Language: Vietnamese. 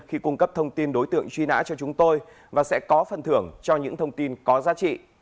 khi cung cấp thông tin đối tượng truy nã cho chúng tôi và sẽ có phần thưởng cho những thông tin có giá trị